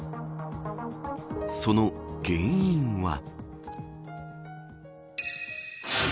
その原因は。